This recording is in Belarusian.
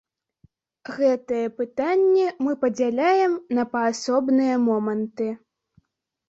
Гэтае пытанне мы падзяляем на паасобныя моманты.